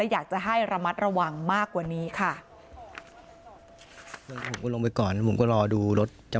อยากจะให้ระมัดระวังมากกว่านี้ค่ะ